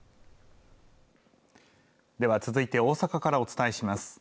では続いて大阪からお伝えします。